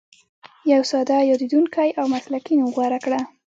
یو ساده، یادېدونکی او مسلکي نوم غوره کړه.